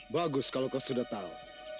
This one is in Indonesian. bagus kalau kau sudah tahu